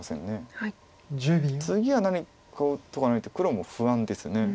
次は何かを打っておかないと黒も不安です。